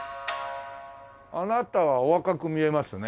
あなたはお若く見えますね。